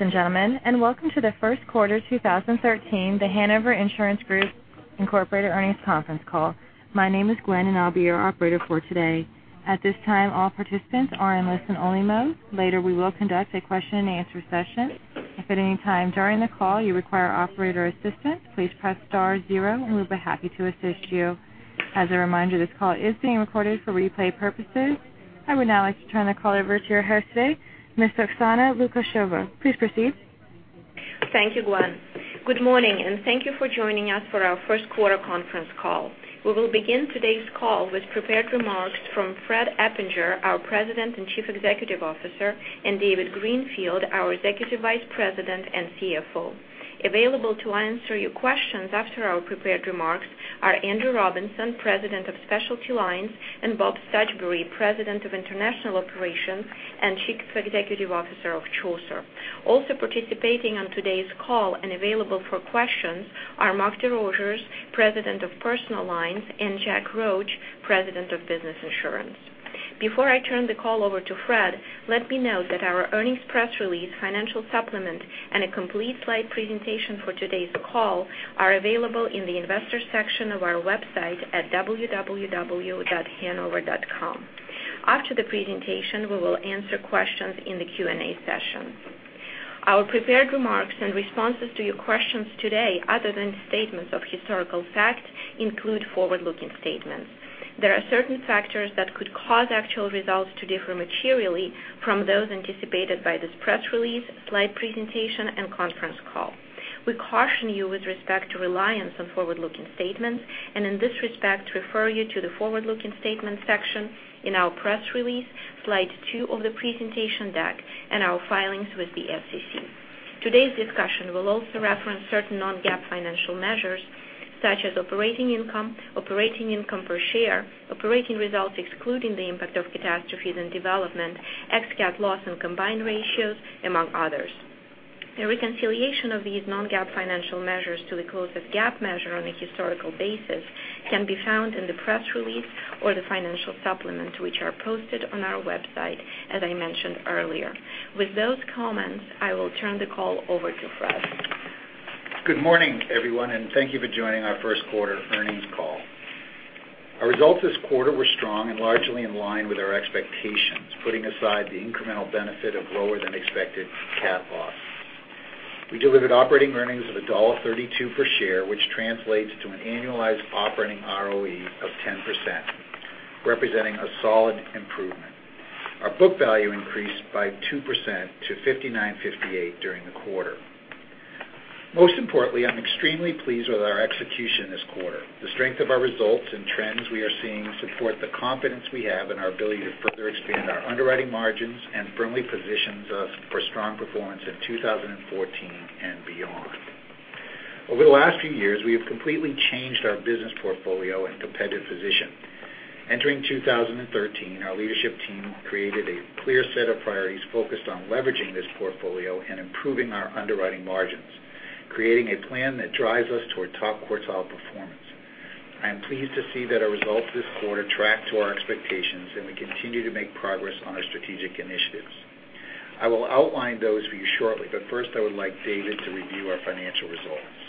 Ladies and gentlemen, welcome to the first quarter 2013, The Hanover Insurance Group, Inc. earnings conference call. My name is Gwen and I'll be your operator for today. At this time, all participants are in listen-only mode. Later, we will conduct a question and answer session. If at any time during the call you require operator assistance, please press star zero and we'll be happy to assist you. As a reminder, this call is being recorded for replay purposes. I would now like to turn the call over to your host today, Ms. Oksana Lukasheva. Please proceed. Thank you, Gwen. Good morning, thank you for joining us for our first quarter conference call. We will begin today's call with prepared remarks from Fred Eppinger, our President and Chief Executive Officer, and David Greenfield, our Executive Vice President and CFO. Available to answer your questions after our prepared remarks are Andrew Robinson, President of Specialty Lines, and Bob Sedgwick, President of International Operations and Chief Executive Officer of Chaucer. Also participating on today's call and available for questions are Mark DeRosier, President of Personal Lines, and John C. Roche, President of Business Insurance. Before I turn the call over to Fred, let me note that our earnings press release, financial supplement, and a complete slide presentation for today's call are available in the investors section of our website at www.hanover.com. After the presentation, we will answer questions in the Q&A session. Our prepared remarks and responses to your questions today, other than statements of historical fact, include forward-looking statements. There are certain factors that could cause actual results to differ materially from those anticipated by this press release, slide two of the presentation deck, and our filings with the SEC. We caution you with respect to reliance on forward-looking statements, and in this respect, refer you to the forward-looking statements section in our press release, slide two of the presentation deck, and our filings with the SEC. Today's discussion will also reference certain non-GAAP financial measures, such as operating income, operating income per share, operating results excluding the impact of catastrophes and development, ex-CAT loss and combined ratios, among others. A reconciliation of these non-GAAP financial measures to the closest GAAP measure on a historical basis can be found in the press release or the financial supplement, which are posted on our website, as I mentioned earlier. With those comments, I will turn the call over to Fred. Good morning, everyone, thank you for joining our first quarter earnings call. Our results this quarter were strong and largely in line with our expectations, putting aside the incremental benefit of lower than expected CAT loss. We delivered operating earnings of $1.32 per share, which translates to an annualized operating ROE of 10%, representing a solid improvement. Our book value increased by 2% to $59.58 during the quarter. Most importantly, I'm extremely pleased with our execution this quarter. The strength of our results and trends we are seeing support the confidence we have in our ability to further expand our underwriting margins and firmly positions us for strong performance in 2014 and beyond. Over the last few years, we have completely changed our business portfolio and competitive position. Entering 2013, our leadership team created a clear set of priorities focused on leveraging this portfolio and improving our underwriting margins, creating a plan that drives us toward top quartile performance. I am pleased to see that our results this quarter track to our expectations, we continue to make progress on our strategic initiatives. I will outline those for you shortly, first I would like David to review our financial results.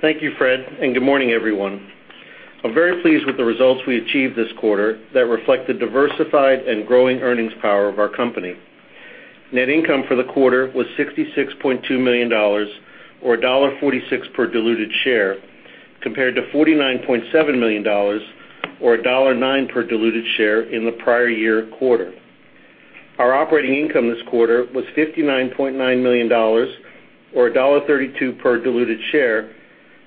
Thank you, Fred, good morning, everyone. I'm very pleased with the results we achieved this quarter that reflect the diversified and growing earnings power of our company. Net income for the quarter was $66.2 million, or $1.46 per diluted share, compared to $49.7 million, or $1.09 per diluted share in the prior year quarter. Our operating income this quarter was $59.9 million, or $1.32 per diluted share,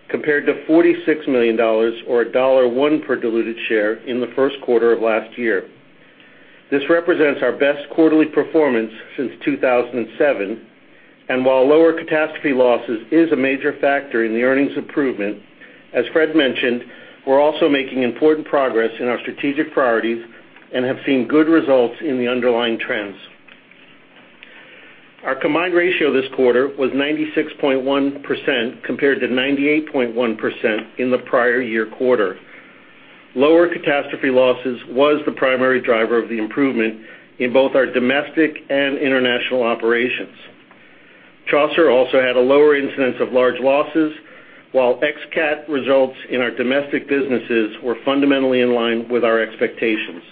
compared to $46 million, or $1.01 per diluted share in the first quarter of last year. This represents our best quarterly performance since 2007, while lower catastrophe losses is a major factor in the earnings improvement, as Fred mentioned, we're also making important progress in our strategic priorities and have seen good results in the underlying trends. Our combined ratio this quarter was 96.1% compared to 98.1% in the prior year quarter. Lower catastrophe losses was the primary driver of the improvement in both our domestic and international operations. Chaucer also had a lower incidence of large losses, while ex-CAT results in our domestic businesses were fundamentally in line with our expectations.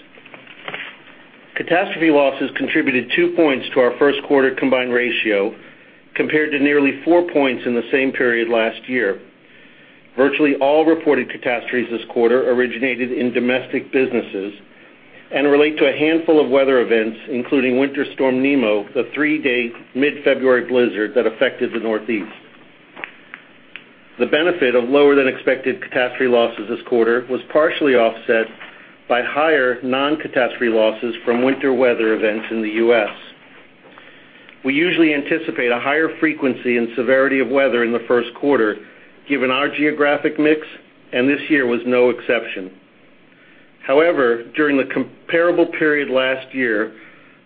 Catastrophe losses contributed 2 points to our first quarter combined ratio compared to nearly 4 points in the same period last year. Virtually all reported catastrophes this quarter originated in domestic businesses and relate to a handful of weather events, including Winter Storm Nemo, the three-day mid-February blizzard that affected the Northeast. The benefit of lower than expected catastrophe losses this quarter was partially offset by higher non-catastrophe losses from winter weather events in the U.S. We usually anticipate a higher frequency and severity of weather in the first quarter given our geographic mix, this year was no exception. During the comparable period last year,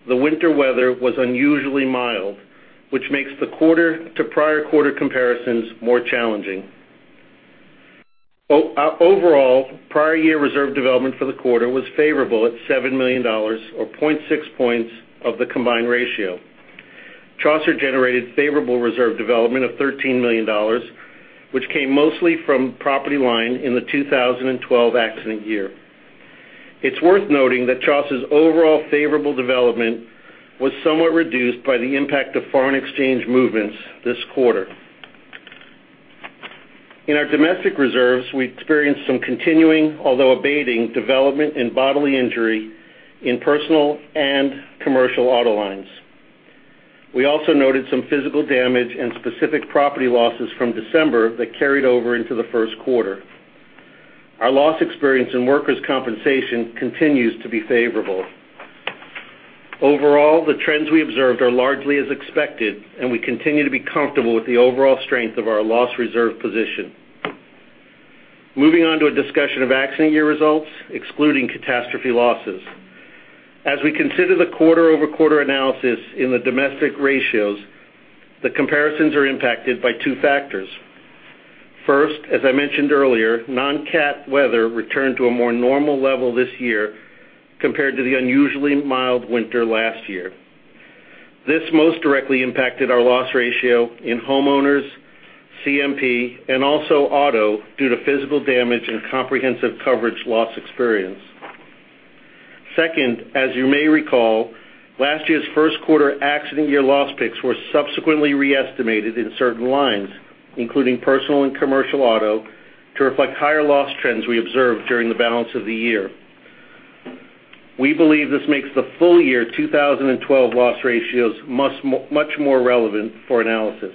the winter weather was unusually mild, which makes the quarter-to-prior-quarter comparisons more challenging. Prior year reserve development for the quarter was favorable at $7 million, or 0.6 points of the combined ratio. Chaucer generated favorable reserve development of $13 million, which came mostly from property line in the 2012 accident year. It's worth noting that Chaucer's overall favorable development was somewhat reduced by the impact of foreign exchange movements this quarter. In our domestic reserves, we experienced some continuing, although abating, development in bodily injury in personal and commercial auto lines. We also noted some physical damage and specific property losses from December that carried over into the first quarter. Our loss experience in workers' compensation continues to be favorable. The trends we observed are largely as expected, and we continue to be comfortable with the overall strength of our loss reserve position. Moving on to a discussion of accident year results, excluding catastrophe losses. We consider the quarter-over-quarter analysis in the domestic ratios, the comparisons are impacted by two factors. As I mentioned earlier, non-cat weather returned to a more normal level this year compared to the unusually mild winter last year. This most directly impacted our loss ratio in homeowners, CMP, and also auto, due to physical damage and comprehensive coverage loss experience. As you may recall, last year's first quarter accident year loss picks were subsequently re-estimated in certain lines, including personal and commercial auto, to reflect higher loss trends we observed during the balance of the year. We believe this makes the full year 2012 loss ratios much more relevant for analysis.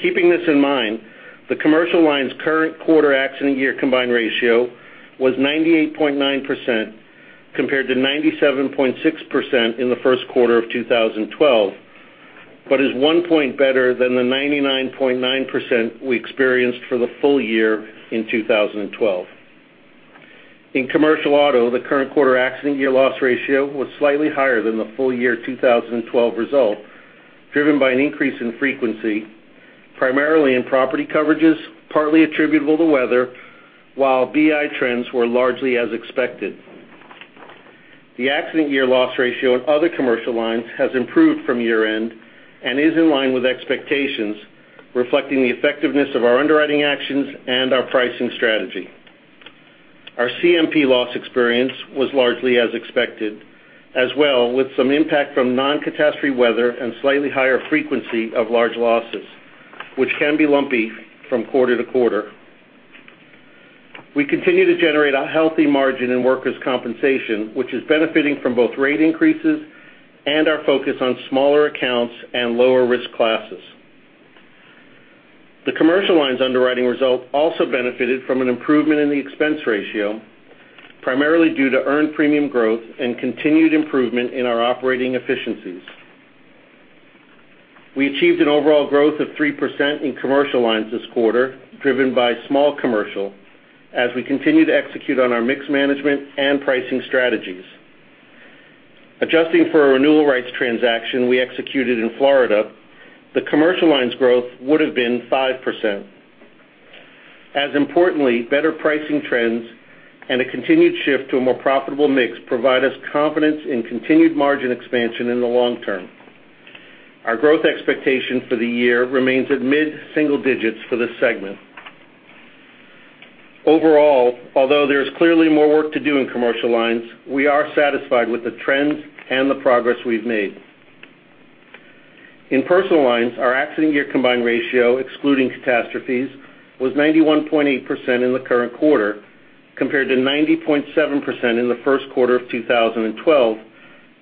Keeping this in mind, the commercial lines current quarter accident year combined ratio was 98.9%, compared to 97.6% in the first quarter of 2012, is one point better than the 99.9% we experienced for the full year in 2012. In commercial auto, the current quarter accident year loss ratio was slightly higher than the full year 2012 result, driven by an increase in frequency, primarily in property coverages, partly attributable to weather, while BI trends were largely as expected. The accident year loss ratio in other commercial lines has improved from year-end, is in line with expectations, reflecting the effectiveness of our underwriting actions and our pricing strategy. Our CMP loss experience was largely as expected, as well, with some impact from non-catastrophe weather and slightly higher frequency of large losses, which can be lumpy from quarter to quarter. We continue to generate a healthy margin in workers' compensation, which is benefiting from both rate increases and our focus on smaller accounts and lower risk classes. The commercial lines underwriting result also benefited from an improvement in the expense ratio, primarily due to earned premium growth and continued improvement in our operating efficiencies. We achieved an overall growth of 3% in commercial lines this quarter, driven by small commercial, we continue to execute on our mix management and pricing strategies. Adjusting for a renewal rights transaction we executed in Florida, the commercial lines growth would've been 5%. Importantly, better pricing trends and a continued shift to a more profitable mix provide us confidence in continued margin expansion in the long term. Our growth expectation for the year remains at mid-single digits for this segment. Overall, although there is clearly more work to do in commercial lines, we are satisfied with the trends and the progress we've made. In personal lines, our accident year combined ratio, excluding catastrophes, was 91.8% in the current quarter, compared to 90.7% in the first quarter of 2012,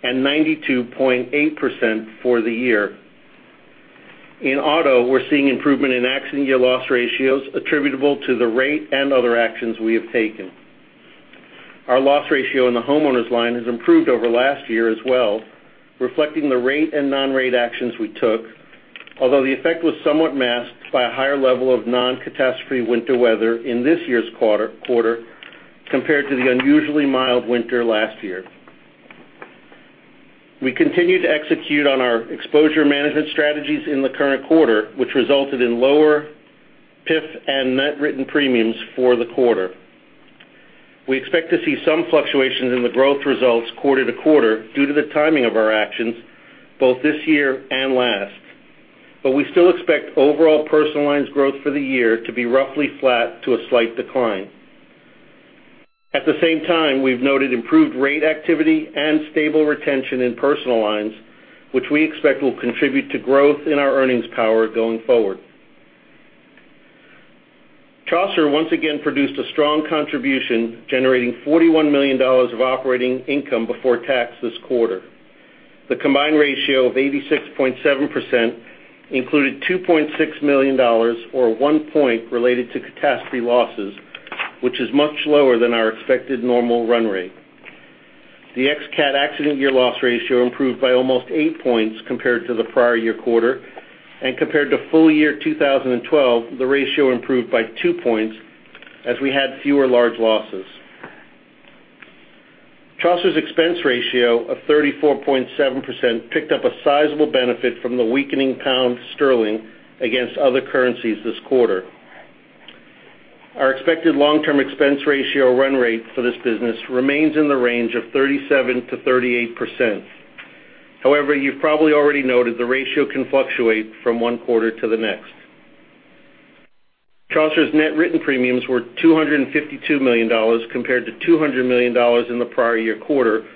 and 92.8% for the year. In auto, we're seeing improvement in accident year loss ratios attributable to the rate and other actions we have taken. Our loss ratio in the homeowners line has improved over last year as well, reflecting the rate and non-rate actions we took. Although the effect was somewhat masked by a higher level of non-catastrophe winter weather in this year's quarter compared to the unusually mild winter last year. We continue to execute on our exposure management strategies in the current quarter, which resulted in lower PIF and net written premiums for the quarter. We expect to see some fluctuations in the growth results quarter to quarter due to the timing of our actions, both this year and last. We still expect overall personal lines growth for the year to be roughly flat to a slight decline. At the same time, we've noted improved rate activity and stable retention in personal lines, which we expect will contribute to growth in our earnings power going forward. Chaucer once again produced a strong contribution, generating $41 million of operating income before tax this quarter. The combined ratio of 86.7% included $2.6 million, or one point related to catastrophe losses, which is much lower than our expected normal run rate. The ex-CAT accident year loss ratio improved by almost eight points compared to the prior year quarter, and compared to full year 2012, the ratio improved by two points as we had fewer large losses. Chaucer's expense ratio of 34.7% picked up a sizable benefit from the weakening pound sterling against other currencies this quarter. Our expected long-term expense ratio run rate for this business remains in the range of 37%-38%. However, you've probably already noted the ratio can fluctuate from one quarter to the next. Chaucer's net written premiums were $252 million compared to $200 million in the prior year quarter,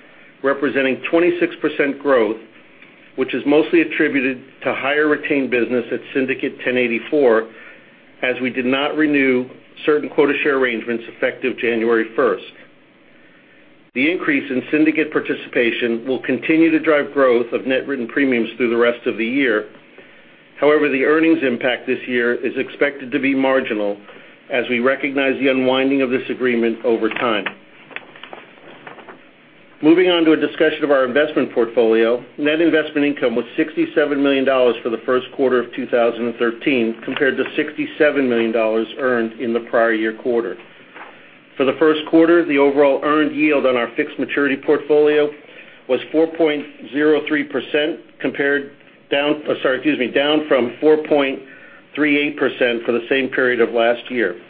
representing 26% growth, which is mostly attributed to higher retained business at Syndicate 1084, as we did not renew certain quota share arrangements effective January 1st. The increase in syndicate participation will continue to drive growth of net written premiums through the rest of the year. However, the earnings impact this year is expected to be marginal as we recognize the unwinding of this agreement over time. Moving on to a discussion of our investment portfolio. Net investment income was $67 million for the first quarter of 2013 compared to $67 million earned in the prior year quarter. For the first quarter, the overall earned yield on our fixed maturity portfolio was 4.03% down from 4.38% for the same period of last year.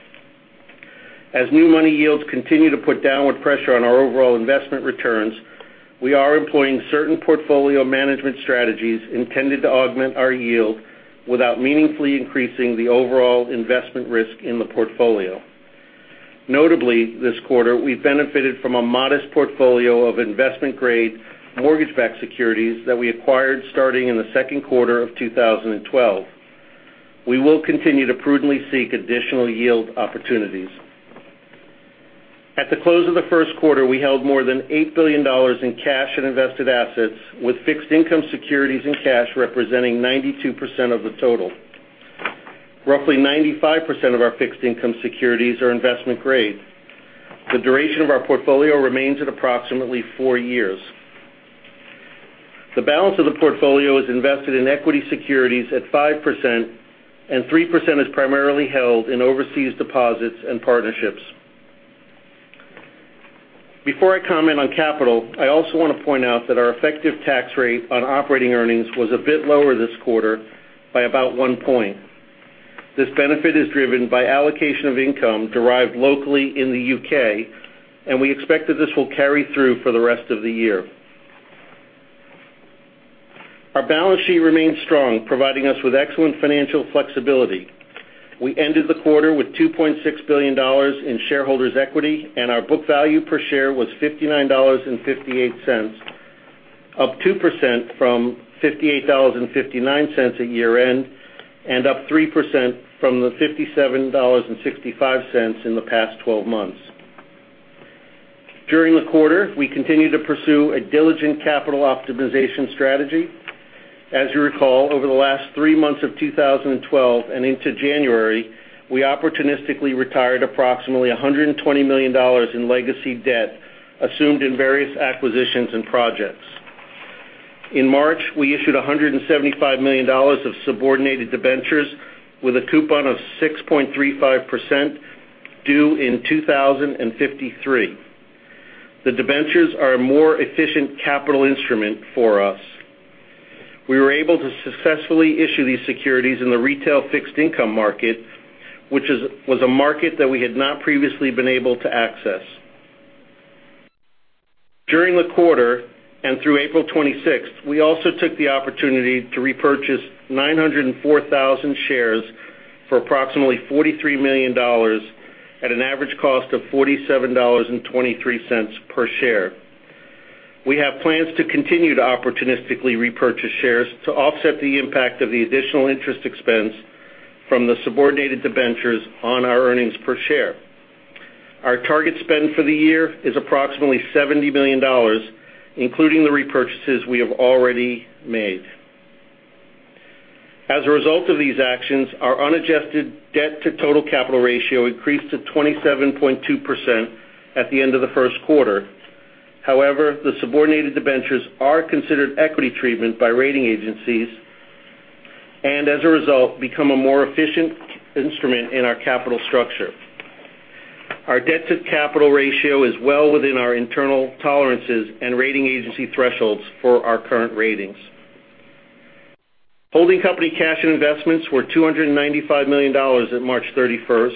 As new money yields continue to put downward pressure on our overall investment returns, we are employing certain portfolio management strategies intended to augment our yield without meaningfully increasing the overall investment risk in the portfolio. Notably, this quarter, we benefited from a modest portfolio of investment-grade mortgage-backed securities that we acquired starting in the second quarter of 2012. We will continue to prudently seek additional yield opportunities. At the close of the first quarter, we held more than $8 billion in cash and invested assets, with fixed income securities and cash representing 92% of the total. Roughly 95% of our fixed income securities are investment grade. The duration of our portfolio remains at approximately four years. The balance of the portfolio is invested in equity securities at 5% and 3% is primarily held in overseas deposits and partnerships. Before I comment on capital, I also want to point out that our effective tax rate on operating earnings was a bit lower this quarter by about one point. This benefit is driven by allocation of income derived locally in the U.K., we expect that this will carry through for the rest of the year. Our balance sheet remains strong, providing us with excellent financial flexibility. We ended the quarter with $2.6 billion in shareholders' equity. Our book value per share was $59.58, up 2% from $58.59 at year-end, up 3% from the $57.65 in the past 12 months. During the quarter, we continued to pursue a diligent capital optimization strategy. As you recall, over the last three months of 2012 and into January, we opportunistically retired approximately $120 million in legacy debt assumed in various acquisitions and projects. In March, we issued $175 million of subordinated debentures with a coupon of 6.35% due in 2053. The debentures are a more efficient capital instrument for us. We were able to successfully issue these securities in the retail fixed income market, which was a market that we had not previously been able to access. During the quarter and through April 26th, we also took the opportunity to repurchase 904,000 shares for approximately $43 million at an average cost of $47.23 per share. We have plans to continue to opportunistically repurchase shares to offset the impact of the additional interest expense from the subordinated debentures on our earnings per share. Our target spend for the year is approximately $70 million, including the repurchases we have already made. As a result of these actions, our unadjusted debt to total capital ratio increased to 27.2% at the end of the first quarter. However, the subordinated debentures are considered equity treatment by rating agencies. As a result, become a more efficient instrument in our capital structure. Our debt to capital ratio is well within our internal tolerances and rating agency thresholds for our current ratings. Holding company cash and investments were $295 million at March 31st,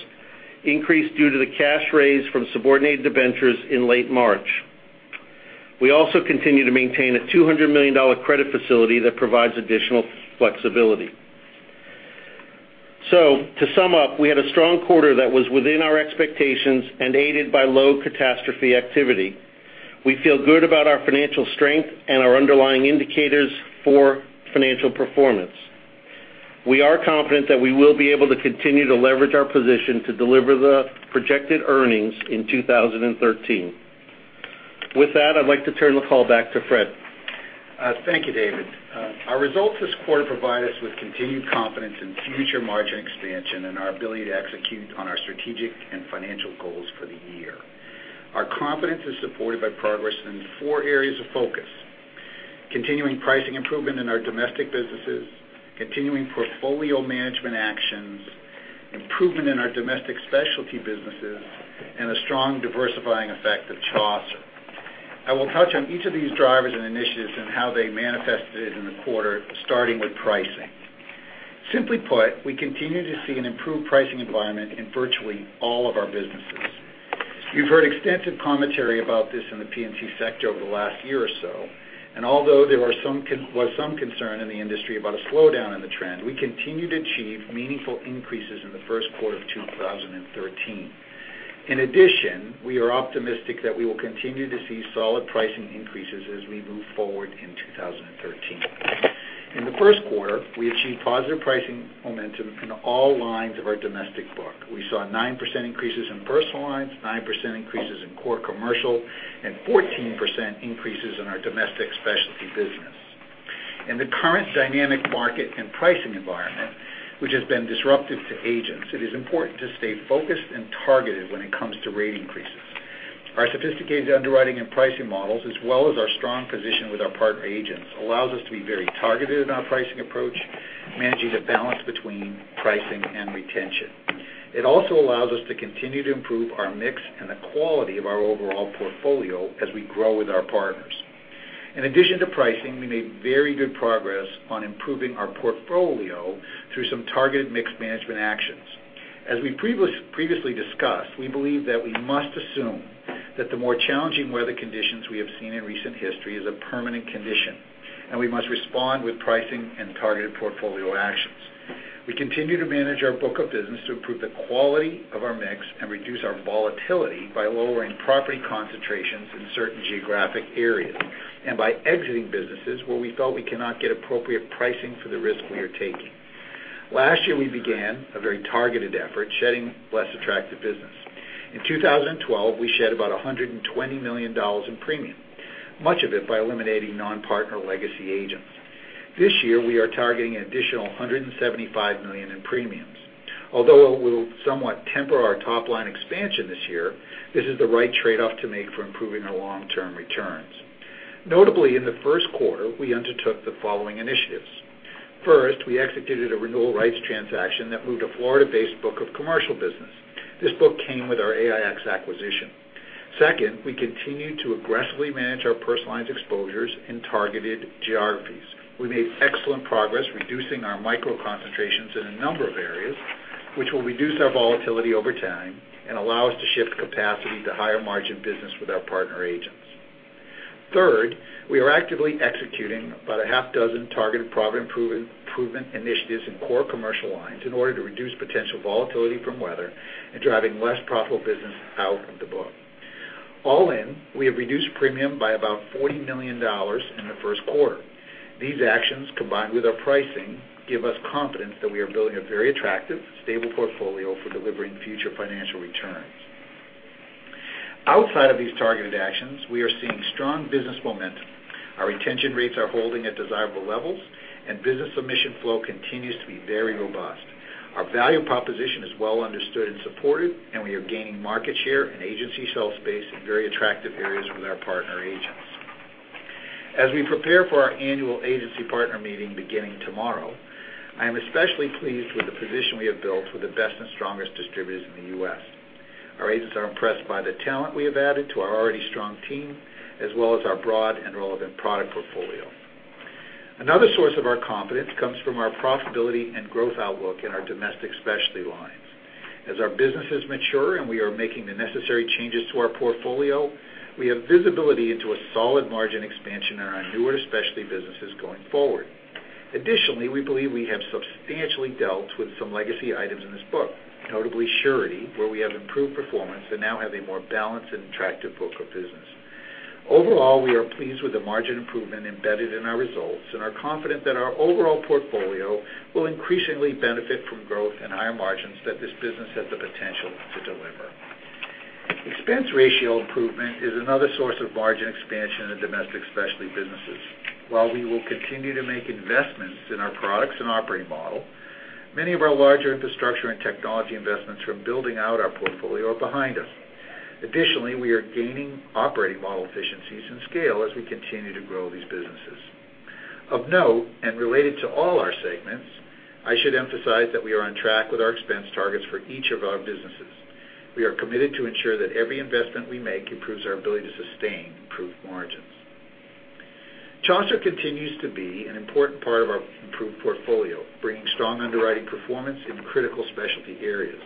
increased due to the cash raised from subordinated debentures in late March. We also continue to maintain a $200 million credit facility that provides additional flexibility. To sum up, we had a strong quarter that was within our expectations and aided by low catastrophe activity. We feel good about our financial strength and our underlying indicators for financial performance. We are confident that we will be able to continue to leverage our position to deliver the projected earnings in 2013. With that, I'd like to turn the call back to Fred. Thank you, David. Our results this quarter provide us with continued confidence in future margin expansion and our ability to execute on our strategic and financial goals for the year. Our confidence is supported by progress in four areas of focus, continuing pricing improvement in our domestic businesses, continuing portfolio management actions, improvement in our domestic Specialty businesses, and a strong diversifying effect of Chaucer. I will touch on each of these drivers and initiatives and how they manifested in the quarter, starting with pricing. Simply put, we continue to see an improved pricing environment in virtually all of our businesses. You've heard extensive commentary about this in the P&C sector over the last year or so, and although there was some concern in the industry about a slowdown in the trend, we continue to achieve meaningful increases in the first quarter of 2013. In addition, we are optimistic that we will continue to see solid pricing increases as we move forward in 2013. In the first quarter, we achieved positive pricing momentum in all lines of our domestic book. We saw 9% increases in Personal Lines, 9% increases in core commercial, and 14% increases in our domestic Specialty business. In the current dynamic market and pricing environment, which has been disruptive to agents, it is important to stay focused and targeted when it comes to rate increases. Our sophisticated underwriting and pricing models, as well as our strong position with our partner agents, allows us to be very targeted in our pricing approach, managing the balance between pricing and retention. It also allows us to continue to improve our mix and the quality of our overall portfolio as we grow with our partners. In addition to pricing, we made very good progress on improving our portfolio through some targeted mix management actions. As we previously discussed, we believe that we must assume that the more challenging weather conditions we have seen in recent history is a permanent condition, and we must respond with pricing and targeted portfolio actions. We continue to manage our book of business to improve the quality of our mix and reduce our volatility by lowering property concentrations in certain geographic areas and by exiting businesses where we felt we cannot get appropriate pricing for the risk we are taking. Last year, we began a very targeted effort shedding less attractive business. In 2012, we shed about $120 million in premium, much of it by eliminating non-partner legacy agents. This year, we are targeting an additional $175 million in premiums. Although it will somewhat temper our top-line expansion this year, this is the right trade-off to make for improving our long-term returns. Notably, in the first quarter, we undertook the following initiatives. First, we executed a renewal rights transaction that moved a Florida-based book of commercial business. This book came with our AIX acquisition. Second, we continued to aggressively manage our Personal Lines exposures in targeted geographies. We made excellent progress reducing our micro concentrations in a number of areas, which will reduce our volatility over time and allow us to shift capacity to higher margin business with our partner agents. Third, we are actively executing about a half dozen targeted profit improvement initiatives in core commercial lines in order to reduce potential volatility from weather and driving less profitable business out of the book. All in, we have reduced premium by about $40 million in the first quarter. These actions, combined with our pricing, give us confidence that we are building a very attractive, stable portfolio for delivering future financial returns. Outside of these targeted actions, we are seeing strong business momentum. Our retention rates are holding at desirable levels, and business submission flow continues to be very robust. Our value proposition is well understood and supported, and we are gaining market share and agency shelf space in very attractive areas with our partner agents. As we prepare for our annual agency partner meeting beginning tomorrow, I am especially pleased with the position we have built with the best and strongest distributors in the U.S. Our agents are impressed by the talent we have added to our already strong team, as well as our broad and relevant product portfolio. Another source of our confidence comes from our profitability and growth outlook in our domestic Specialty Lines. As our businesses mature and we are making the necessary changes to our portfolio, we have visibility into a solid margin expansion in our newer specialty businesses going forward. Additionally, we believe we have substantially dealt with some legacy items in this book, notably surety, where we have improved performance and now have a more balanced and attractive book of business. Overall, we are pleased with the margin improvement embedded in our results and are confident that our overall portfolio will increasingly benefit from growth and higher margins that this business has the potential to deliver. Expense ratio improvement is another source of margin expansion in the domestic specialty businesses. While we will continue to make investments in our products and operating model, many of our larger infrastructure and technology investments from building out our portfolio are behind us. Additionally, we are gaining operating model efficiencies and scale as we continue to grow these businesses. Of note, and related to all our segments, I should emphasize that we are on track with our expense targets for each of our businesses. We are committed to ensure that every investment we make improves our ability to sustain improved margins. Chaucer continues to be an important part of our improved portfolio, bringing strong underwriting performance in critical specialty areas.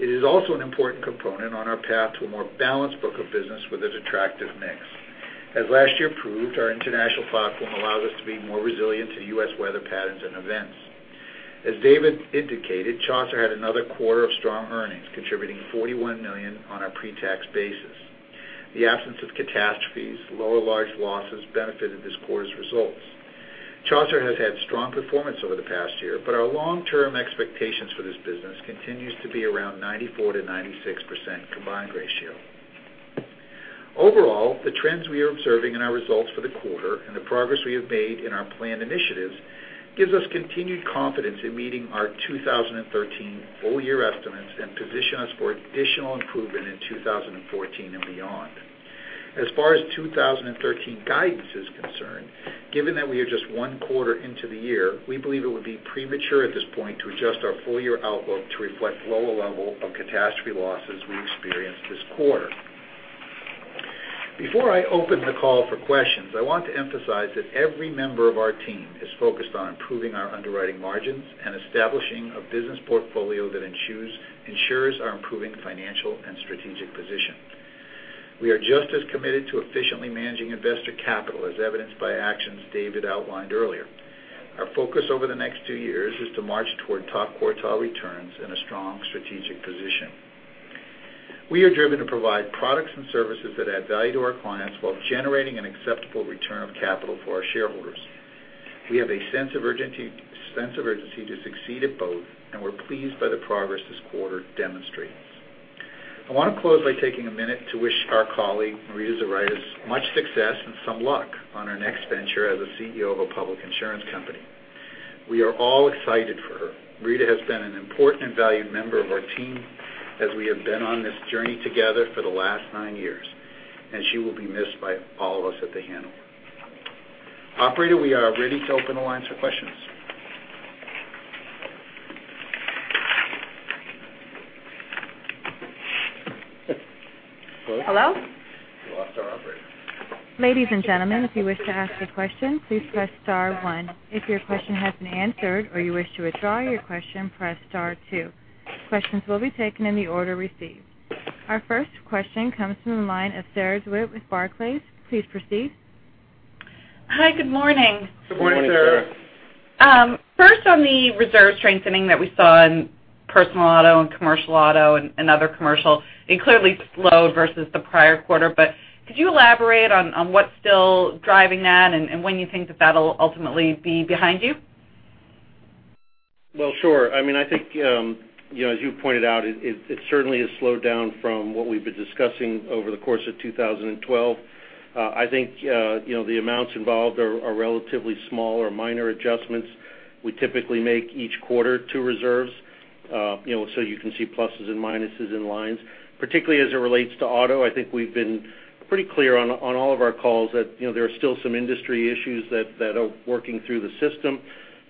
It is also an important component on our path to a more balanced book of business with an attractive mix. As last year proved, our international platform allows us to be more resilient to U.S. weather patterns and events. As David indicated, Chaucer had another quarter of strong earnings, contributing $41 million on a pre-tax basis. The absence of catastrophes, lower large losses benefited this quarter's results. Chaucer has had strong performance over the past year, but our long-term expectations for this business continues to be around 94%-96% combined ratio. Overall, the trends we are observing in our results for the quarter and the progress we have made in our planned initiatives gives us continued confidence in meeting our 2013 full-year estimates and position us for additional improvement in 2014 and beyond. As far as 2013 guidance is concerned, given that we are just one quarter into the year, we believe it would be premature at this point to adjust our full-year outlook to reflect lower level of catastrophe losses we experienced this quarter. Before I open the call for questions, I want to emphasize that every member of our team is focused on improving our underwriting margins and establishing a business portfolio that ensures our improving financial and strategic position. We are just as committed to efficiently managing investor capital as evidenced by actions David outlined earlier. Our focus over the next two years is to march toward top quartile returns and a strong strategic position. We are driven to provide products and services that add value to our clients while generating an acceptable return of capital for our shareholders. We have a sense of urgency to succeed at both, and we're pleased by the progress this quarter demonstrates. I want to close by taking a minute to wish our colleague, Rita Zuraitis, much success and some luck on her next venture as a CEO of a public insurance company. We are all excited for her. Rita has been an important and valued member of our team as we have been on this journey together for the last nine years, she will be missed by all of us at The Hanover. Operator, we are ready to open the line for questions. Hello? We lost our operator. Ladies and gentlemen, if you wish to ask a question, please press star one. If your question has been answered or you wish to withdraw your question, press star two. Questions will be taken in the order received. Our first question comes from the line of Jay Cohen with Barclays. Please proceed. Hi, good morning. Good morning, Sarah. First, on the reserve strengthening that we saw in personal auto and commercial auto and other commercial, it clearly slowed versus the prior quarter, but could you elaborate on what's still driving that and when you think that'll ultimately be behind you? Well, sure. I think, as you pointed out, it certainly has slowed down from what we've been discussing over the course of 2012. I think the amounts involved are relatively small or minor adjustments we typically make each quarter to reserves, so you can see pluses and minuses in lines. Particularly as it relates to auto, I think we've been pretty clear on all of our calls that there are still some industry issues that are working through the system.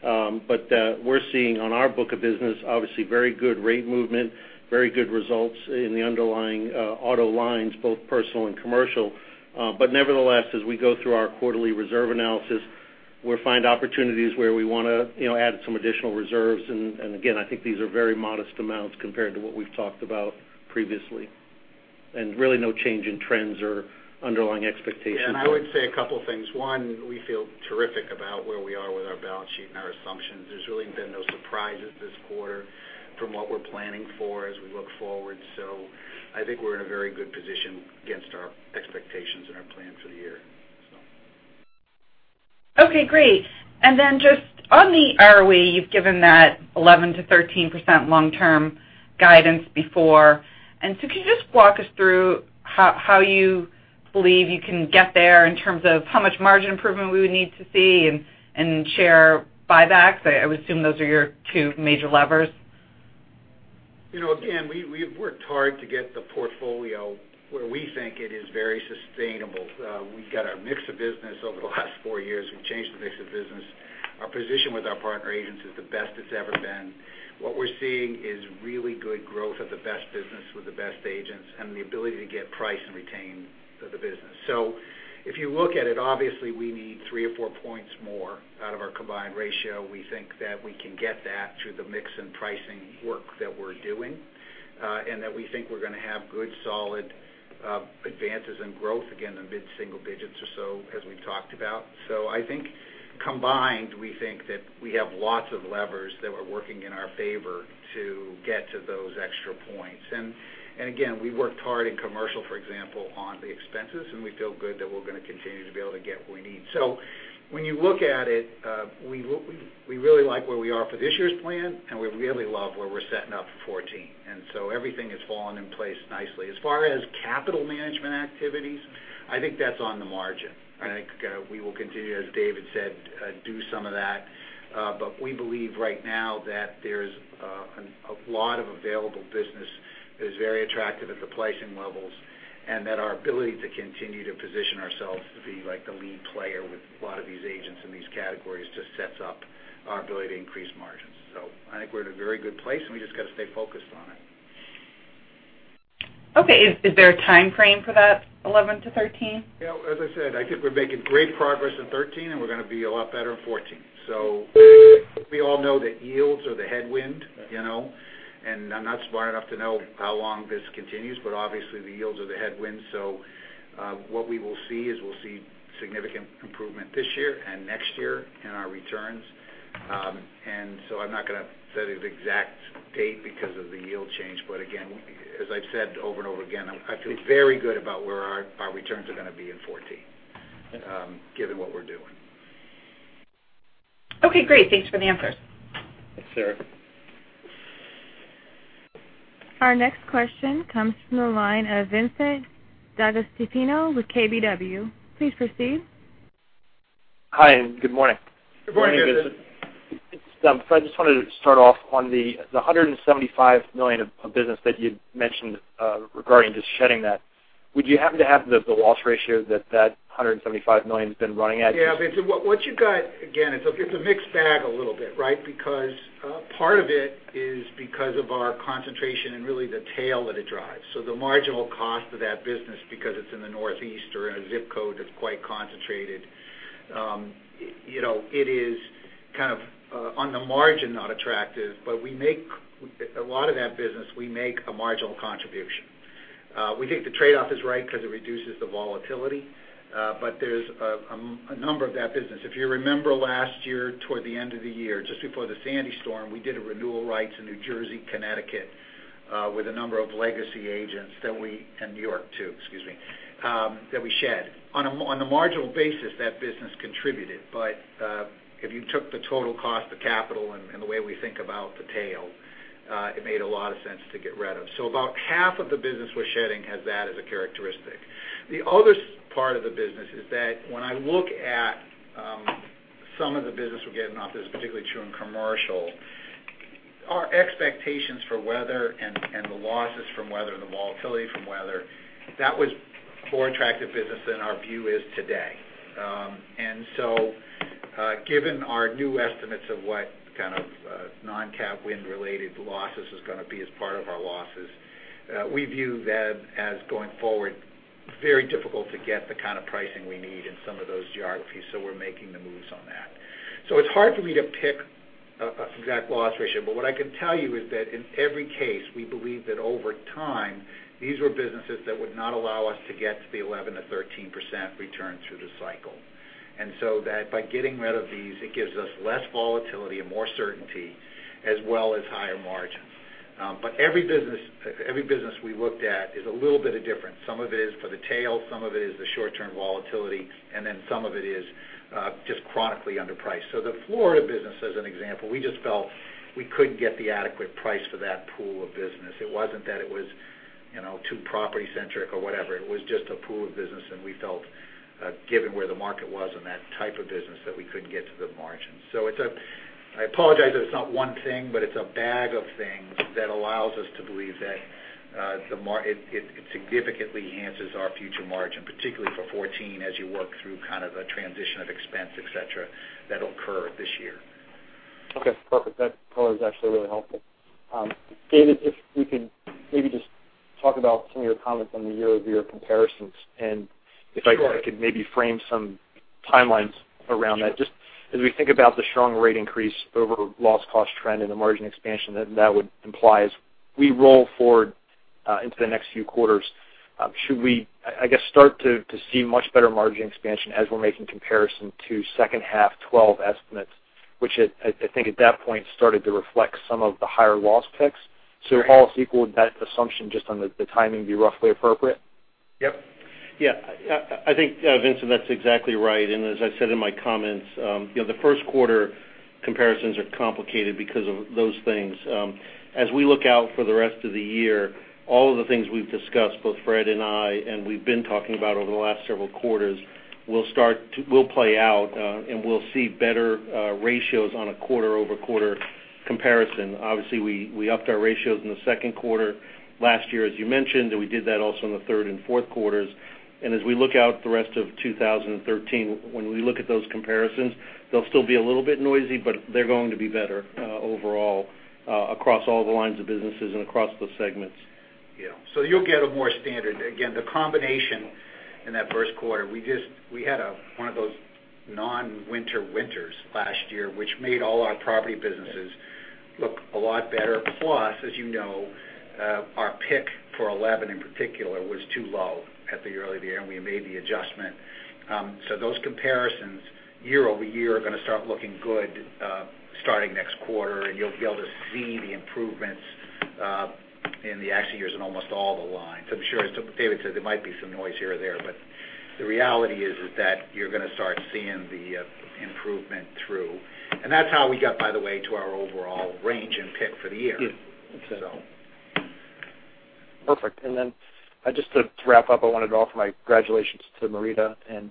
We're seeing on our book of business, obviously, very good rate movement, very good results in the underlying auto lines, both personal and commercial. Nevertheless, as we go through our quarterly reserve analysis, we'll find opportunities where we want to add some additional reserves. Again, I think these are very modest amounts compared to what we've talked about previously. Really no change in trends or underlying expectations. I would say a couple things. One, we feel terrific about where we are with our balance sheet and our assumptions. There's really been no surprises this quarter from what we're planning for as we look forward. I think we're in a very good position against our expectations and our plan for the year. Okay, great. Then just on the ROE, you've given that 11%-13% long-term guidance before. So can you just walk us through how you believe you can get there in terms of how much margin improvement we would need to see and share buybacks? I would assume those are your two major levers. Again, we've worked hard to get the portfolio where we think it is very sustainable. We've got our mix of business over the last four years. We've changed the mix of business. Our position with our partner agents is the best it's ever been. What we're seeing is really good growth of the best business with the best agents and the ability to get price and retain the business. If you look at it, obviously, we need three or four points more out of our combined ratio. We think that we can get that through the mix and pricing work that we're doing, and that we think we're going to have good, solid advances in growth, again, in mid-single digits or so, as we've talked about. I think combined, we think that we have lots of levers that are working in our favor to get to those extra points. Again, we worked hard in commercial, for example, on the expenses, and we feel good that we're going to continue to be able to get what we need. When you look at it, we really like where we are for this year's plan, and we really love where we're setting up for 2014. Everything has fallen in place nicely. As far as capital management activities, I think that's on the margin. I think we will continue, as David said, do some of that. We believe right now that there's a lot of available business that is very attractive at the pricing levels, and that our ability to continue to position ourselves to be the lead player with a lot of these agents in these categories just sets up our ability to increase margins. I think we're in a very good place, and we just got to stay focused on it. Okay, is there a time frame for that 11 to 13? As I said, I think we're making great progress in 2013, we're going to be a lot better in 2014. We all know that yields are the headwind. I'm not smart enough to know how long this continues, but obviously, the yields are the headwind. What we will see is we'll see significant improvement this year and next year in our returns. I'm not going to set an exact date because of the yield change. Again, as I've said over and over again, I feel very good about where our returns are going to be in 2014 given what we're doing. Okay, great. Thanks for the answers. Thanks, Sarah. Our next question comes from the line of Vincent DeAugustino with KBW. Please proceed. Hi, good morning. Good morning, Vincent. Good morning, guys. Fred, just wanted to start off on the $175 million of business that you'd mentioned regarding just shedding that. Would you happen to have the loss ratio that that $175 million's been running at? Yeah. Vincent, what you've got, again, it's a mixed bag a little bit, right? Part of it is because of our concentration and really the tail that it drives. The marginal cost of that business, because it's in the Northeast or in a ZIP code that's quite concentrated, it is kind of on the margin, not attractive, but a lot of that business, we make a marginal contribution. We think the trade-off is right because it reduces the volatility. There's a number of that business. If you remember last year toward the end of the year, just before the Sandy storm, we did a renewal rights in New Jersey, Connecticut with a number of legacy agents that we, and New York too, excuse me, that we shed. On the marginal basis, that business contributed. If you took the total cost of capital and the way we think about the tail, it made a lot of sense to get rid of. About half of the business we're shedding has that as a characteristic. The other part of the business is that when I look at some of the business we're getting off, this is particularly true in commercial, our expectations for weather and the losses from weather, the volatility from weather, that was more attractive business than our view is today. Given our new estimates of what kind of non-cat wind related losses is going to be as part of our losses, we view that as going forward, very difficult to get the kind of pricing we need in some of those geographies, we're making the moves on that. It's hard for me to pick an exact loss ratio, but what I can tell you is that in every case, we believe that over time, these were businesses that would not allow us to get to the 11%-13% return through the cycle. That by getting rid of these, it gives us less volatility and more certainty, as well as higher margins. Every business we looked at is a little bit of different. Some of it is for the tail, some of it is the short-term volatility, and then some of it is just chronically underpriced. The Florida business, as an example, we just felt we couldn't get the adequate price for that pool of business. It wasn't that it was too property centric or whatever. It was just a pool of business, we felt given where the market was and that type of business, that we couldn't get to the margins. I apologize that it's not one thing, but it's a bag of things that allows us to believe that it significantly enhances our future margin, particularly for 2014 as you work through kind of a transition of expense, et cetera, that'll occur this year. Okay, perfect. That color is actually really helpful. David, if we could maybe just talk about some of your comments on the year-over-year comparisons. Sure. If I could maybe frame some timelines around that. Just as we think about the strong rate increase over loss cost trend and the margin expansion that would imply as we roll forward into the next few quarters, should we, I guess, start to see much better margin expansion as we're making comparison to second half 2012 estimates, which I think at that point started to reflect some of the higher loss picks. All else equal, would that assumption just on the timing be roughly appropriate? Yep. Yeah. I think, Vincent, that's exactly right. As I said in my comments, the first quarter comparisons are complicated because of those things. As we look out for the rest of the year, all of the things we've discussed, both Fred and I, and we've been talking about over the last several quarters, will play out and we'll see better ratios on a quarter-over-quarter comparison. Obviously, we upped our ratios in the second quarter last year, as you mentioned, and we did that also in the third and fourth quarters. As we look out the rest of 2013, when we look at those comparisons, they'll still be a little bit noisy, but they're going to be better overall across all the lines of businesses and across the segments. Yeah. You'll get a more standard. Again, the combination in that first quarter, we had one of those non-winter winters last year, which made all our property businesses look a lot better. As you know, our pick for 2011 in particular was too low at the early of the year, and we made the adjustment. Those comparisons year-over-year are going to start looking good starting next quarter, and you'll be able to see the improvements in the actually years in almost all the lines. I'm sure as David said, there might be some noise here or there, but the reality is that you're going to start seeing the improvement through. That's how we got, by the way, to our overall range and pick for the year. Yeah. That's it. Perfect. Just to wrap up, I wanted to offer my congratulations to Marita and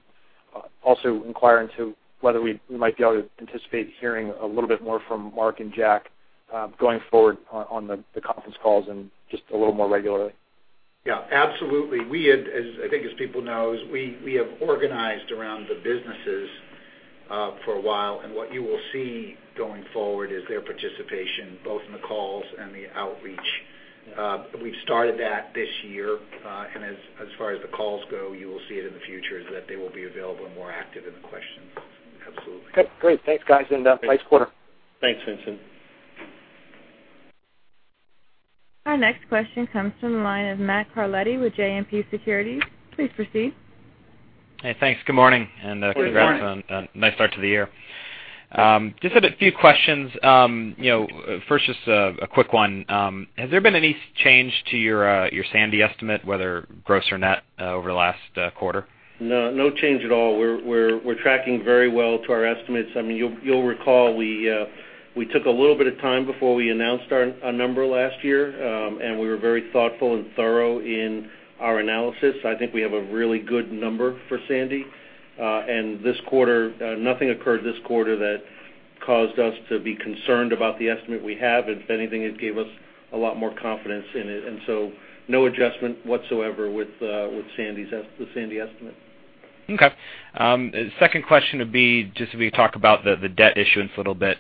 also inquire into whether we might be able to anticipate hearing a little bit more from Mark and Jack going forward on the conference calls and just a little more regularly. Yeah, absolutely. I think as people know, we have organized around the businesses for a while, and what you will see going forward is their participation both in the calls and the outreach. We've started that this year. As far as the calls go, you will see it in the future is that they will be available and more active in the questions. Absolutely. Okay, great. Thanks, guys, nice quarter. Thanks, Vincent. Our next question comes from the line of Matt Carletti with JMP Securities. Please proceed. Hey, thanks. Good morning. Good morning. Congrats on nice start to the year. Just had a few questions. First, just a quick one. Has there been any change to your Sandy estimate, whether gross or net over the last quarter? No. No change at all. We're tracking very well to our estimates. You'll recall we took a little bit of time before we announced our number last year, and we were very thoughtful and thorough in our analysis. I think we have a really good number for Sandy. Nothing occurred this quarter that caused us to be concerned about the estimate we have. If anything, it gave us a lot more confidence in it. No adjustment whatsoever with the Sandy estimate. Okay. Second question would be just if you could talk about the debt issuance a little bit.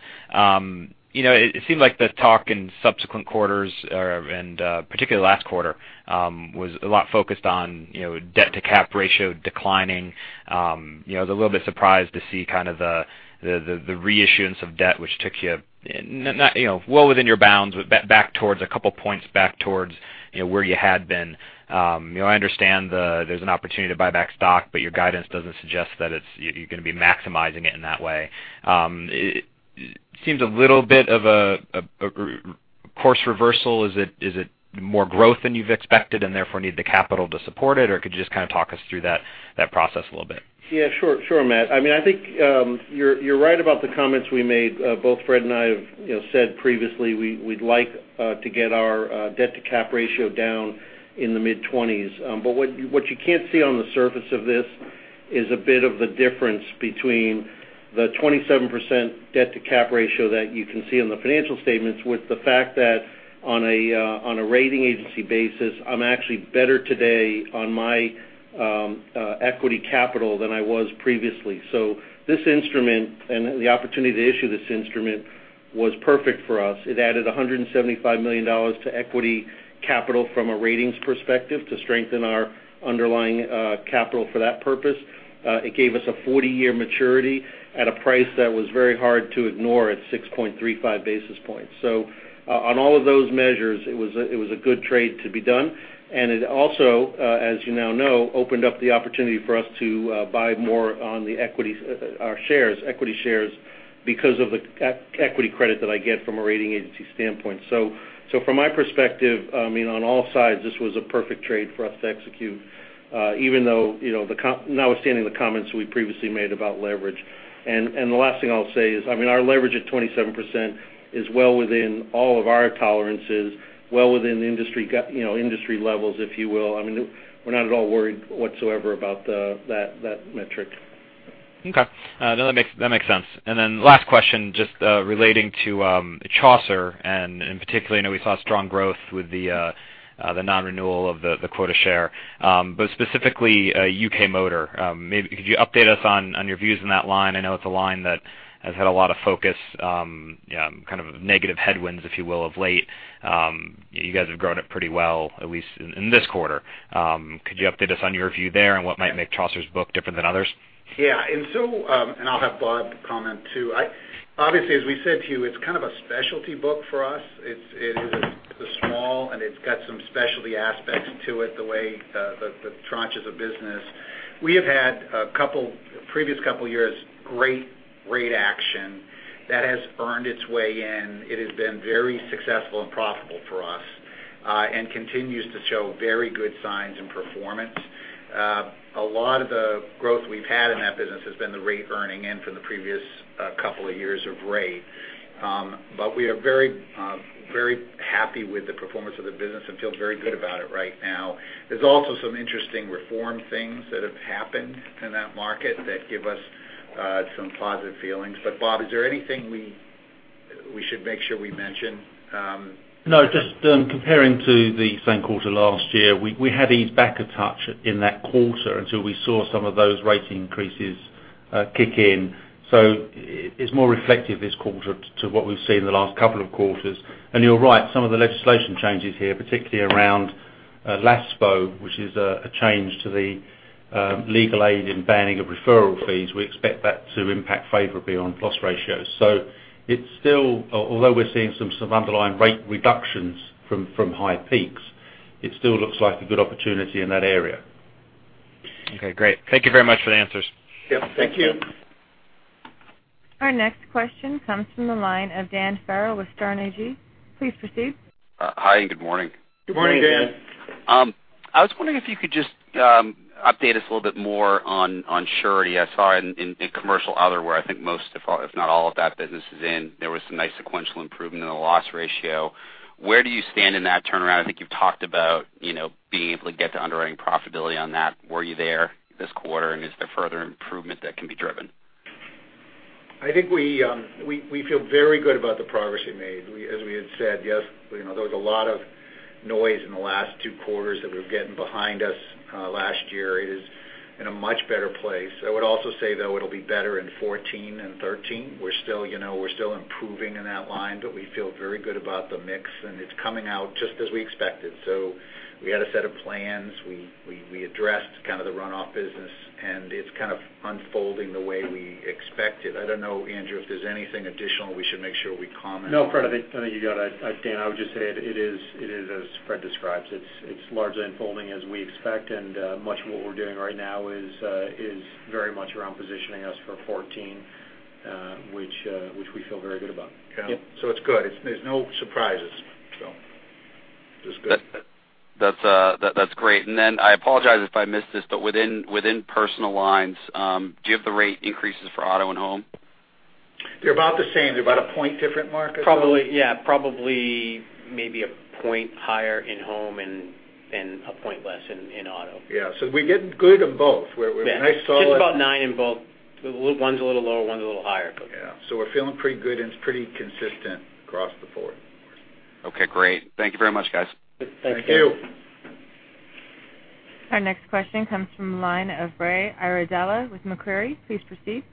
It seemed like the talk in subsequent quarters, and particularly last quarter, was a lot focused on debt to cap ratio declining. I was a little bit surprised to see the reissuance of debt, which took you well within your bounds, but back towards a couple points back towards where you had been. I understand there's an opportunity to buy back stock, but your guidance doesn't suggest that you're going to be maximizing it in that way. It seems a little bit of a course reversal. Is it more growth than you've expected, and therefore need the capital to support it, or could you just kind of talk us through that process a little bit? Yeah, sure, Matt. I think you're right about the comments we made. Both Fred and I have said previously, we'd like to get our debt to cap ratio down in the mid-20s. What you can't see on the surface of this is a bit of the difference between the 27% debt to cap ratio that you can see on the financial statements with the fact that on a rating agency basis, I'm actually better today on my equity capital than I was previously. This instrument and the opportunity to issue this instrument was perfect for us. It added $175 million to equity capital from a ratings perspective to strengthen our underlying capital for that purpose. It gave us a 40-year maturity at a price that was very hard to ignore at 6.35 basis points. On all of those measures, it was a good trade to be done. It also, as you now know, opened up the opportunity for us to buy more on our equity shares because of the equity credit that I get from a rating agency standpoint. From my perspective, on all sides, this was a perfect trade for us to execute, notwithstanding the comments we previously made about leverage. The last thing I'll say is, our leverage at 27% is well within all of our tolerances, well within industry levels, if you will. We're not at all worried whatsoever about that metric. Okay. No, that makes sense. Then last question, just relating to Chaucer, and particularly, I know we saw strong growth with the non-renewal of the quota share, but specifically U.K. motor. Could you update us on your views on that line? I know it's a line that has had a lot of focus, kind of negative headwinds, if you will, of late. You guys have grown it pretty well, at least in this quarter. Could you update us on your view there and what might make Chaucer's book different than others? Yeah. I'll have Bob comment, too. Obviously, as we said to you, it's kind of a specialty book for us. It's small, and it's got some specialty aspects to it, the way the tranches of business. We have had previous couple years, great rate action that has earned its way in. It has been very successful and profitable for us, and continues to show very good signs and performance. A lot of the growth we've had in that business has been the rate earning in from the previous couple of years of rate. We are very happy with the performance of the business and feel very good about it right now. There's also some interesting reform things that have happened in that market that give us some positive feelings. Bob, is there anything we should make sure we mention? Just comparing to the same quarter last year, we had eased back a touch in that quarter until we saw some of those rate increases kick in. It's more reflective this quarter to what we've seen in the last couple of quarters. You're right, some of the legislation changes here, particularly around LASPO, which is a change to the legal aid in banning of referral fees. We expect that to impact favorably on loss ratios. Although we're seeing some underlying rate reductions from high peaks, it still looks like a good opportunity in that area. Great. Thank you very much for the answers. Thank you. Our next question comes from the line of Dan Farrell with Sterne Agee. Please proceed. Hi, good morning. Good morning, Dan. Good morning. I was wondering if you could just update us a little bit more on Surety. I saw it in commercial other, where I think most, if not all of that business is in, there was some nice sequential improvement in the loss ratio. Where do you stand in that turnaround? I think you've talked about being able to get to underwriting profitability on that. Were you there this quarter, and is there further improvement that can be driven? I think we feel very good about the progress we made. As we had said, there was a lot of noise in the last two quarters that we were getting behind us last year. It is in a much better place. I would also say, though, it'll be better in 2014 than 2013. We're still improving in that line, but we feel very good about the mix, and it's coming out just as we expected. We had a set of plans. We addressed the runoff business, and it's unfolding the way we expected. I don't know, Andrew, if there's anything additional we should make sure we comment on. No, Fred, I think you got it. Dan, I would just say it is as Fred describes. It's largely unfolding as we expect, and much of what we're doing right now is very much around positioning us for 2014, which we feel very good about. Yeah. It's good. There's no surprises. It's good. That's great. I apologize if I missed this, but within Personal Lines, do you have the rate increases for auto and home? They're about the same. They're about one point different, Mark, I thought. Yeah, probably maybe one point higher in home and One point less in Auto. Yeah. We're getting good in both. Yeah. Just about nine in both. One's a little lower, one's a little higher. Yeah. We're feeling pretty good, and it's pretty consistent across the board. Okay, great. Thank you very much, guys. Thank you. Thank you. Our next question comes from the line of Ray Irizarry with Macquarie. Please proceed.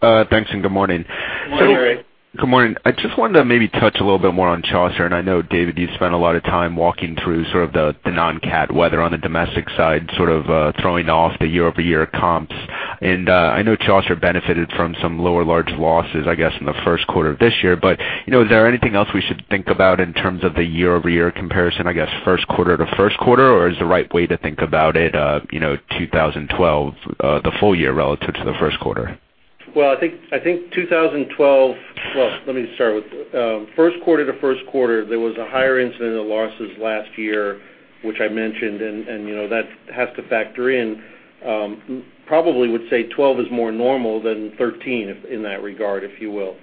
Thanks, good morning. Good morning, Ray. Good morning. I just wanted to maybe touch a little bit more on Chaucer. I know, David, you've spent a lot of time walking through sort of the non-cat weather on the domestic side, sort of throwing off the year-over-year comps. I know Chaucer benefited from some lower large losses, I guess, in the first quarter of this year. Is there anything else we should think about in terms of the year-over-year comparison, I guess, first quarter to first quarter? Is the right way to think about it 2012, the full year relative to the first quarter? Let me start with first quarter to first quarter, there was a higher incident of losses last year, which I mentioned, and that has to factor in. Probably would say 2012 is more normal than 2013 in that regard, if you will.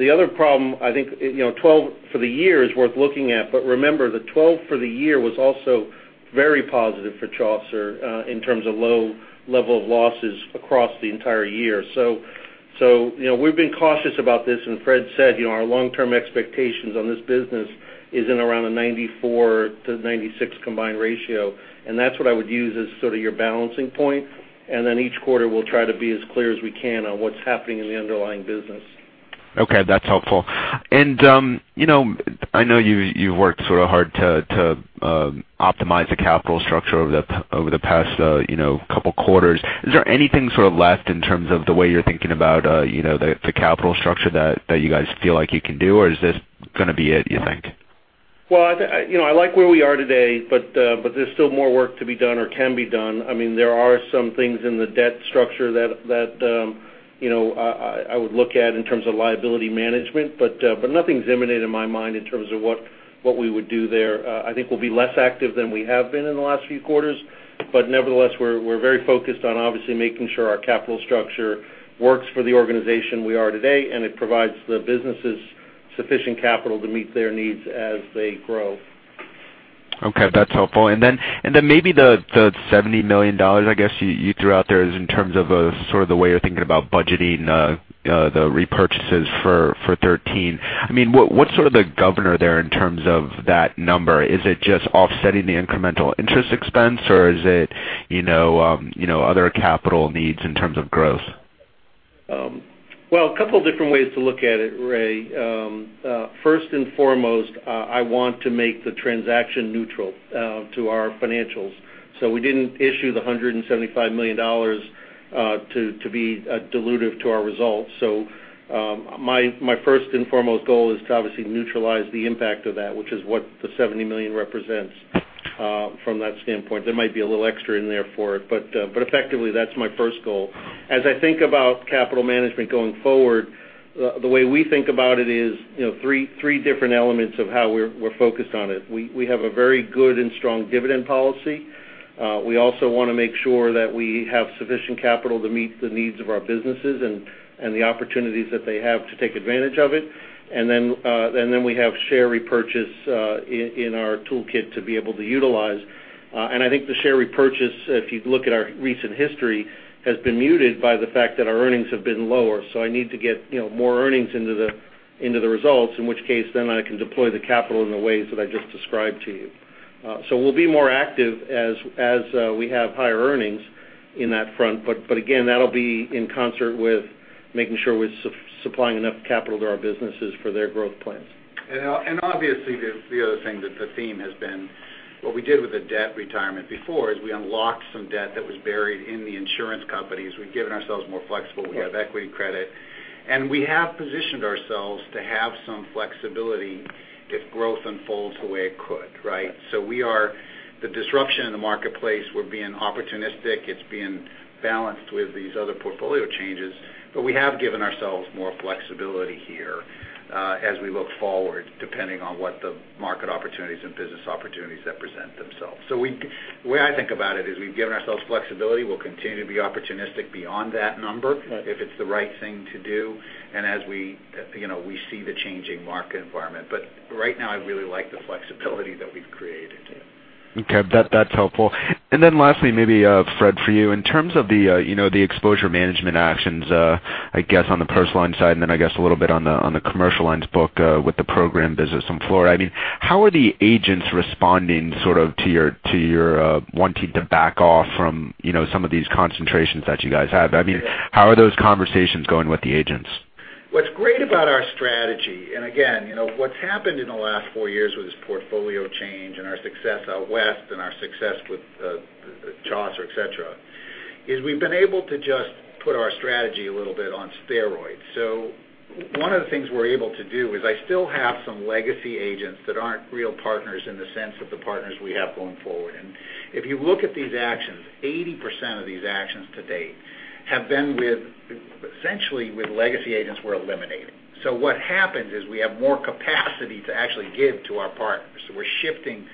The other problem, I think 2012 for the year is worth looking at. Remember that 2012 for the year was also very positive for Chaucer in terms of low level of losses across the entire year. We've been cautious about this. Fred said our long-term expectations on this business is in around the 94-96 combined ratio, and that's what I would use as sort of your balancing point. Then each quarter, we'll try to be as clear as we can on what's happening in the underlying business. Okay, that's helpful. I know you've worked sort of hard to optimize the capital structure over the past couple of quarters. Is there anything sort of left in terms of the way you're thinking about the capital structure that you guys feel like you can do? Is this going to be it, you think? I like where we are today, but there's still more work to be done or can be done. There are some things in the debt structure that I would look at in terms of liability management, but nothing's imminent in my mind in terms of what we would do there. I think we'll be less active than we have been in the last few quarters. Nevertheless, we're very focused on obviously making sure our capital structure works for the organization we are today, and it provides the businesses sufficient capital to meet their needs as they grow. Okay, that's helpful. Then maybe the $70 million, I guess, you threw out there is in terms of sort of the way you're thinking about budgeting the repurchases for 2013. What's sort of the governor there in terms of that number? Is it just offsetting the incremental interest expense, or is it other capital needs in terms of growth? Well, a couple of different ways to look at it, Ray. First and foremost, I want to make the transaction neutral to our financials. We didn't issue the $175 million to be dilutive to our results. My first and foremost goal is to obviously neutralize the impact of that, which is what the $70 million represents from that standpoint. There might be a little extra in there for it. Effectively, that's my first goal. As I think about capital management going forward, the way we think about it is three different elements of how we're focused on it. We have a very good and strong dividend policy. We also want to make sure that we have sufficient capital to meet the needs of our businesses and the opportunities that they have to take advantage of it. Then we have share repurchase in our toolkit to be able to utilize. I think the share repurchase, if you look at our recent history, has been muted by the fact that our earnings have been lower. I need to get more earnings into the results, in which case, then I can deploy the capital in the ways that I just described to you. We'll be more active as we have higher earnings in that front. Again, that'll be in concert with making sure we're supplying enough capital to our businesses for their growth plans. Obviously, the other thing that the theme has been, what we did with the debt retirement before is we unlocked some debt that was buried in the insurance companies. We've given ourselves more flexible. We have equity credit. We have positioned ourselves to have some flexibility if growth unfolds the way it could, right? We are the disruption in the marketplace. We're being opportunistic. It's being balanced with these other portfolio changes. We have given ourselves more flexibility here as we look forward, depending on what the market opportunities and business opportunities that present themselves. The way I think about it is we've given ourselves flexibility. We'll continue to be opportunistic beyond that number. Right if it's the right thing to do, as we see the changing market environment. Right now, I really like the flexibility that we've created. Okay. That's helpful. Lastly, maybe, Fred, for you, in terms of the exposure management actions, I guess, on the Personal Lines side, and then I guess a little bit on the Commercial Lines book with the program business in Florida. How are the agents responding sort of to your wanting to back off from some of these concentrations that you guys have? How are those conversations going with the agents? What's great about our strategy, again what's happened in the last 4 years with this portfolio change and our success out west and our success with Chaucer, et cetera, is we've been able to just put our strategy a little bit on steroids. One of the things we're able to do is I still have some legacy agents that aren't real partners in the sense of the partners we have going forward. If you look at these actions, 80% of these actions to date have been essentially with legacy agents we're eliminating. What happens is we have more capacity to actually give to our partners. We're shifting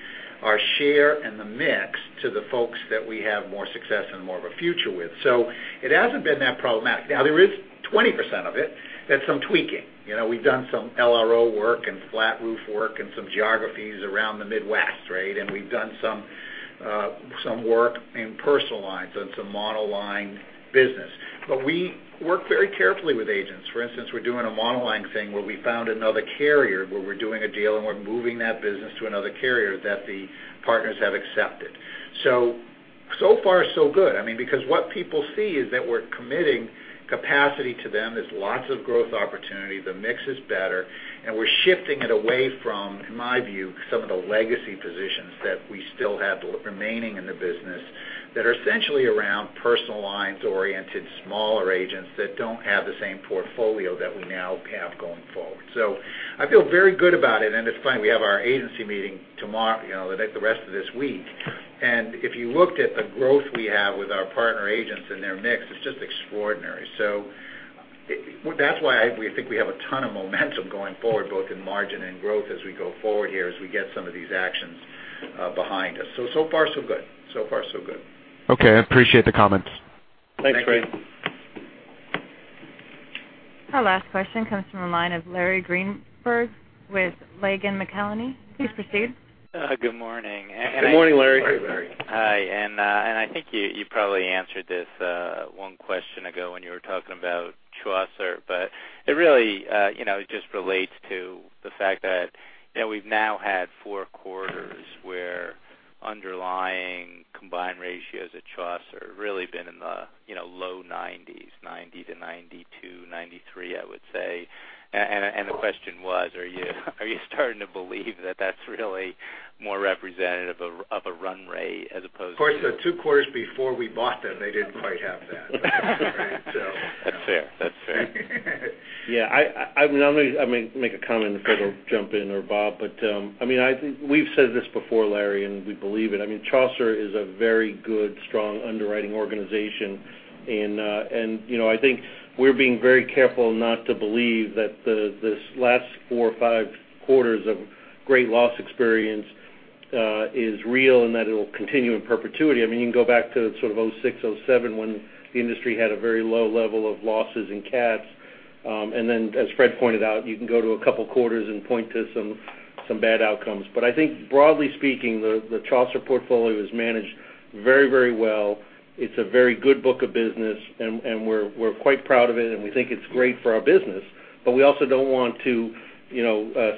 our share and the mix to the folks that we have more success and more of a future with. It hasn't been that problematic. Now, there is 20% of it that's some tweaking. We've done some LRO work and flat roof work in some geographies around the Midwest. We've done some work in Personal Lines and some monoline business. We work very carefully with agents. For instance, we're doing a monoline thing where we found another carrier, where we're doing a deal and we're moving that business to another carrier that the partners have accepted. So far so good. Because what people see is that we're committing capacity to them. There's lots of growth opportunity. The mix is better, and we're shifting it away from, in my view, some of the legacy positions that we still have remaining in the business that are essentially around Personal Lines, oriented smaller agents that don't have the same portfolio that we now have going forward. I feel very good about it, and it's funny, we have our agency meeting the rest of this week. If you looked at the growth we have with our partner agents and their mix, it's just extraordinary. That's why we think we have a ton of momentum going forward, both in margin and growth as we go forward here, as we get some of these actions behind us. So far, so good. Okay. I appreciate the comments. Thanks, Ray. Our last question comes from the line of Larry Greenberg with Langen McAlenney. Please proceed. Good morning. Good morning, Larry. Morning, Larry. Hi, I think you probably answered this one question ago when you were talking about Chaucer, but it really just relates to the fact that we've now had four quarters where underlying combined ratios at Chaucer really been in the low 90s, 90 to 92, 93, I would say. The question was, are you starting to believe that that's really more representative of a run rate. Of course, the two quarters before we bought them, they didn't quite have that. That's fair. Yeah. I'm going to make a comment if Fred will jump in or Bob. We've said this before, Larry, and we believe it. Chaucer is a very good, strong underwriting organization. I think we're being very careful not to believe that this last four or five quarters of great loss experience is real and that it'll continue in perpetuity. You can go back to sort of 2006, 2007 when the industry had a very low level of losses in CATs. As Fred pointed out, you can go to a couple quarters and point to some bad outcomes. I think broadly speaking, the Chaucer portfolio is managed very well. It's a very good book of business, and we're quite proud of it, and we think it's great for our business. We also don't want to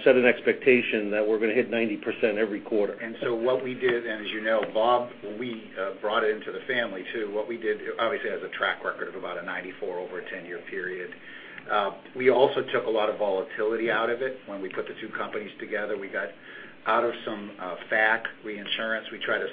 set an expectation that we're going to hit 90% every quarter. What we did, and as you know, Bob, we brought it into the family, too. What we did, obviously, has a track record of about a 94 over a 10-year period. We also took a lot of volatility out of it when we put the two companies together. We got out of some FAC reinsurance. We try to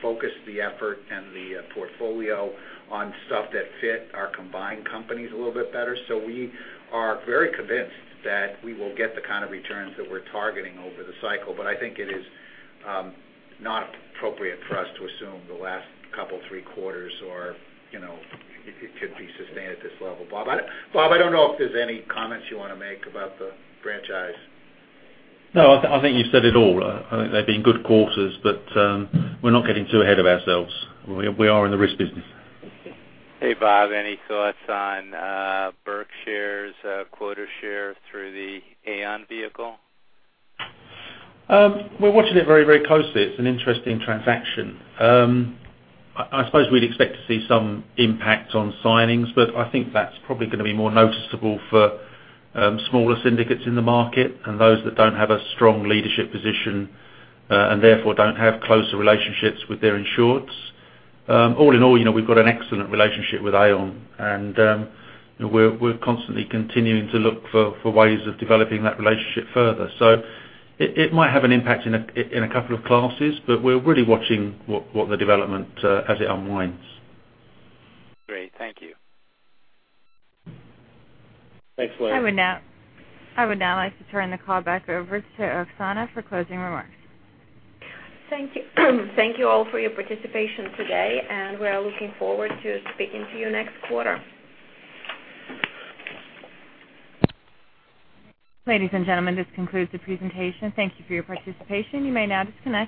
focus the effort and the portfolio on stuff that fit our combined companies a little bit better. We are very convinced that we will get the kind of returns that we're targeting over the cycle. I think it is not appropriate for us to assume the last couple, three quarters, or it could be sustained at this level, Bob. Bob, I don't know if there's any comments you want to make about the franchise. No, I think you said it all. I think they've been good quarters, we're not getting too ahead of ourselves. We are in the risk business. Bob, any thoughts on Berkshire's quota share through the Aon vehicle? We're watching it very closely. It's an interesting transaction. I suppose we'd expect to see some impact on signings, I think that's probably going to be more noticeable for smaller syndicates in the market and those that don't have a strong leadership position, and therefore, don't have closer relationships with their insureds. All in all, we've got an excellent relationship with Aon, we're constantly continuing to look for ways of developing that relationship further. It might have an impact in a couple of classes, we're really watching what the development as it unwinds. Great. Thank you. Thanks, Larry. I would now like to turn the call back over to Oksana for closing remarks. Thank you all for your participation today. We are looking forward to speaking to you next quarter. Ladies and gentlemen, this concludes the presentation. Thank you for your participation. You may now disconnect.